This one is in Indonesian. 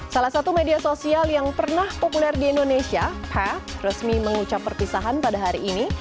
salah satu media sosial yang pernah populer di indonesia path resmi mengucap perpisahan pada hari ini